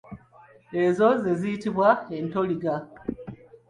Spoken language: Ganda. Ezo ze ziyitibwa entoliga.